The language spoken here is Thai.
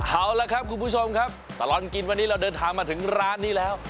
เอาละครับคุณผู้ชมครับตลอดกินวันนี้เราเดินทางมาถึงร้านนี้แล้ว